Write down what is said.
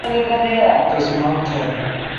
تس معاف تھ۔